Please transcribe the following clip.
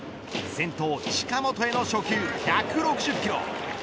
先頭、近本への初球１６０キロ